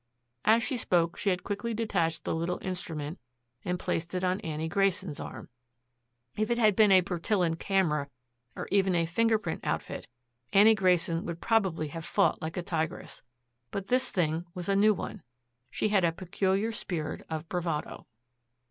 As she spoke, she had quickly detached the little instrument and had placed it on Annie Grayson's arm. If it had been a Bertillon camera, or even a finger print outfit, Annie Grayson would probably have fought like a tigress. But this thing was a new one. She had a peculiar spirit of bravado.